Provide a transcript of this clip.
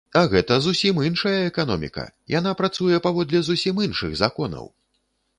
А гэта зусім іншая эканоміка, яна працуе паводле зусім іншых законаў!